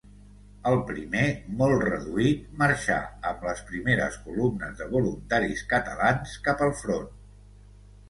El primer, molt reduït, marxà amb les primeres columnes de voluntaris catalans cap al front.